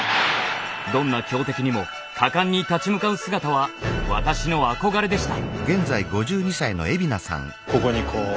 どんな強敵にも果敢に立ち向かう姿は私の憧れでした。